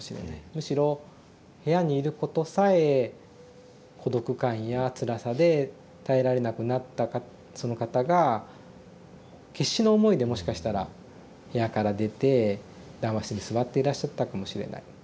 むしろ部屋にいることさえ孤独感やつらさで耐えられなくなったその方が決死の思いでもしかしたら部屋から出て談話室に座っていらっしゃったかもしれない。